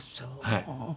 はい。